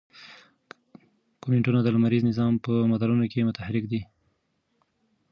کومیټونه د لمریز نظام په مدارونو کې متحرک دي.